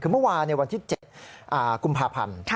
คือเมื่อวานวันที่๗กุมภาพันธ์